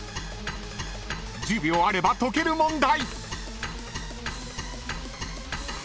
［１０秒あれば解ける問題］